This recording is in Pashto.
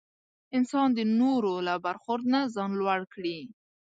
انسان د نورو له برخورد نه ځان لوړ کړي.